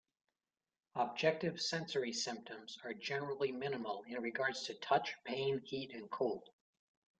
Objective sensory symptoms are generally minimal in regards to touch, pain, heat, and cold.